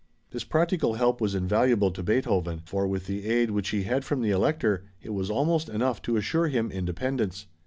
This practical help was invaluable to Beethoven, for with the aid which he had from the Elector, it was almost enough to assure him independence.